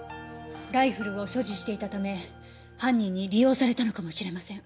ライフルを所持していたため犯人に利用されたのかもしれません。